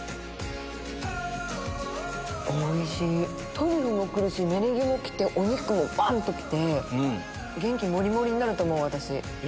トリュフも来るしネギも来てお肉もバンと来て元気モリモリになると思う私。